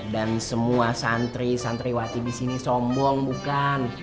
dan semua santri santri watih disini sombong bukan